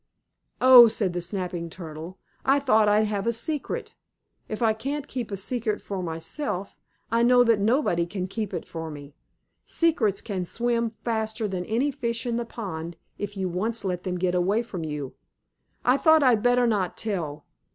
"Oh," said the Snapping Turtle, "I thought I'd have a secret. If I can't keep a secret for myself, I know that nobody can keep it for me. Secrets can swim faster than any fish in the pond if you once let them get away from you. I thought I'd better not tell.